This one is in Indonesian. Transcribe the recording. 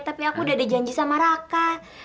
tapi aku udah ada janji sama raka